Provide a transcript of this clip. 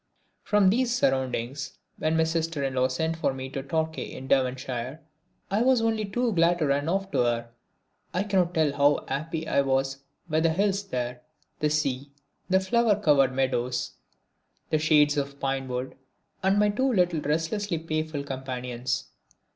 From these surroundings, when my sister in law sent for me to Torquay in Devonshire, I was only too glad to run off to her. I cannot tell how happy I was with the hills there, the sea, the flower covered meadows, the shade of the pine woods, and my two little restlessly playful companions.